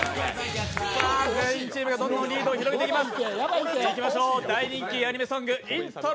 全員チームがどんどんリードを広げていきます。